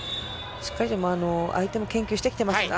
しっかりと相手も研究してきていますから。